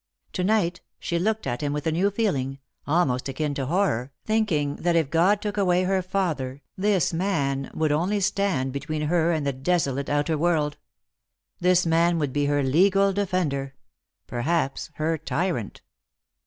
To night she looked at him with a new feeling, almost akin to horror, thinking that if God took away her father this man would only stand between her and the desolate outer world. This man would be her legal defender : perhaps her tyrant.